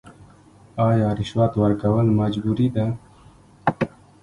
آیا رشوت ورکول مجبوري ده؟